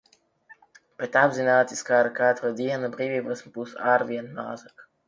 Bet apzināties, ka ar katru dienu brīvības būs arvien mazāk.